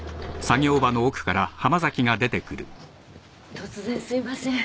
突然すいません。